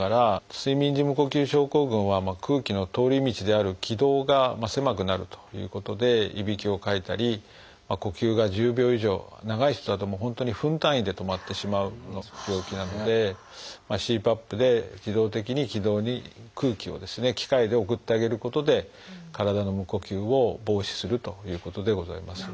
睡眠時無呼吸症候群は空気の通り道である気道が狭くなるということでいびきをかいたり呼吸が１０秒以上長い人だと本当に分単位で止まってしまう病気なのでＣＰＡＰで自動的に気道に空気を機械で送ってあげることで体の無呼吸を防止するということでございます。